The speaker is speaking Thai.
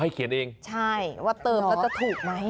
อ๋อให้เขียนเองใช่ว่าเติบก็จะถูกไหม